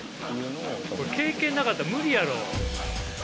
経験なかったら無理やろ。